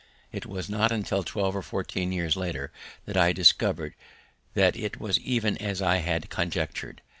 It was not until twelve or fourteen years later that I discovered that it was even as I had conjectured.